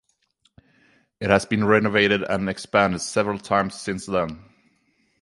It has been renovated and expanded several times since then.